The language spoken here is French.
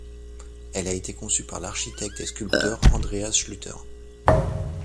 Elle a été conçue par l'architecte et sculpteur Andreas Schlüter.